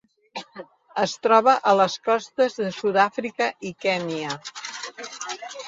Es troba a les costes de Sud-àfrica i Kenya.